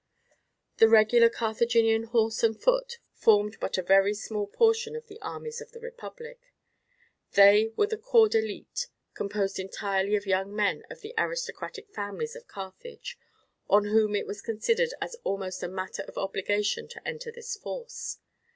The regular Carthaginian horse and foot formed but a very small portion of the armies of the republic. They were a corps d'elite, composed entirely of young men of the aristocratic families of Carthage, on whom it was considered as almost a matter of obligation to enter this force.